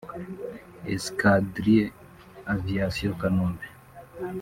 -Escadrille Aviation (Kanombe)